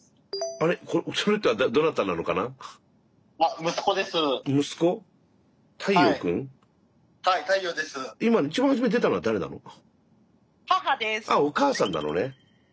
あれお母さんなのね。